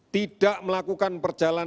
tidak melakukan percayaan